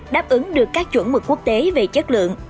đáp ứng được các chuẩn mực quốc tế về chất lượng